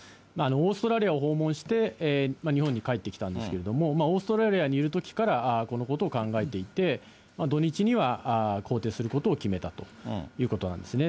オーストラリアを訪問して日本に帰ってきたんですけれども、オーストラリアにいるときからこのことを考えていて、土日には更迭することを決めたということなんですね。